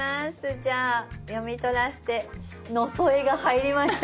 じゃあ読み取らせて「のそえ」が入りました。